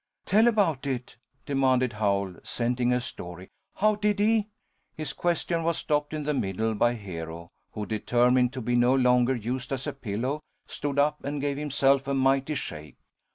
"Tell about it," demanded Howl, scenting a story. "How did he " His question was stopped in the middle by Hero, who, determined to be no longer used as a pillow, stood up and gave himself a mighty shake.